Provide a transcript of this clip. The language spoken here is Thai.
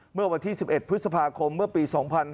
เมื่อวันที่๑๑พฤษภาคมเมื่อปี๒๕๕๙